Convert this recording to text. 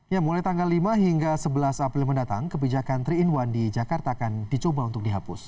ya mulai tanggal lima hingga sebelas april mendatang kebijakan tiga in satu di jakarta akan dicoba untuk dihapus